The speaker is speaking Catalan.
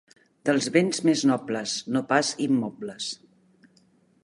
Dels bens més nobles, no pas immobles.